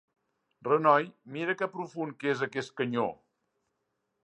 Renoi, mira que profund que és aquest canyó!